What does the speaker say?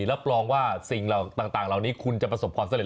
รับรองว่าสิ่งต่างเหล่านี้คุณจะประสบความเร็